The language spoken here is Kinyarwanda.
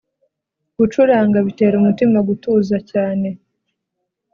Gucuranga bitera umutima gutuza cyane